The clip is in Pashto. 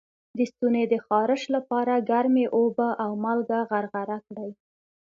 د ستوني د خارش لپاره ګرمې اوبه او مالګه غرغره کړئ